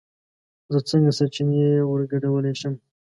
زه څنگه سرچينې ورگډولی شم